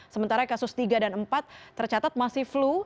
sementara kasus tiga dan empat tercatat masih flu